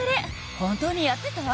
本当にやってた？